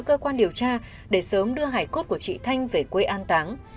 cơ quan điều tra để sớm đưa hải cốt của chị thanh về quê an táng